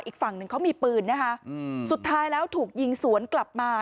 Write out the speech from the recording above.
อีกฝั่งหนึ่งเขามีปืนนะคะสุดท้ายแล้วถูกยิงสวนกลับมา